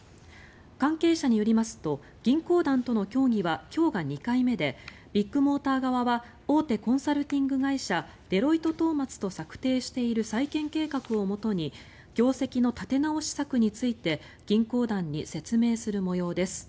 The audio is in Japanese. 関係者によりますと銀行団との協議は今日が２回目でビッグモーター側は大手コンサルティング会社デロイトトーマツと策定している再建計画をもとに業績の立て直し策について銀行団に説明する模様です。